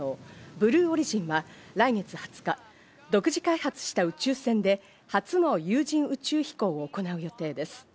ブルーオリジンは来月２０日、独自開発した宇宙船で初の有人宇宙飛行を行う予定です。